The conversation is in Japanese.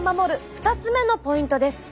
２つ目のポイントです。